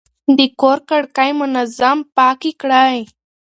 د کور کړکۍ منظم پاکې کړئ.